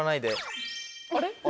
あれ？